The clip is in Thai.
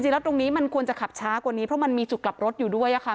ตรงนี้มันควรจะขับช้ากว่านี้เพราะมันมีจุดกลับรถอยู่ด้วยค่ะ